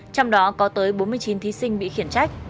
trong đó có tới bốn mươi chín thí sinh bị khiển trách